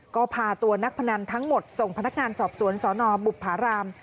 ก็พาตัวนักพนันทั้งหมดส่งพนักงานสอบสวนสนบุภาราม